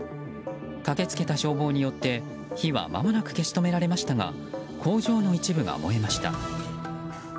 駆け付けた消防によって、火はまもなく消し止められましたが工場の一部が燃えました。